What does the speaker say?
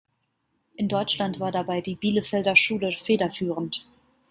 In Deutschland war dabei die Bielefelder Schule federführend.